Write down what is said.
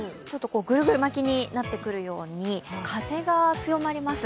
ぐるぐる巻きになってくるように風が強まります。